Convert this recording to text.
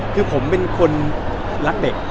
คือผมเป็นคนรักเด็ก